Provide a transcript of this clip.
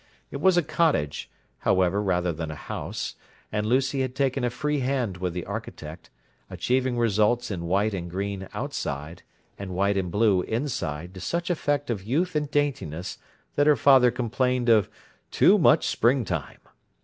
It was a cottage, however, rather than a house; and Lucy had taken a free hand with the architect, achieving results in white and green, outside, and white and blue, inside, to such effect of youth and daintiness that her father complained of "too much spring time!"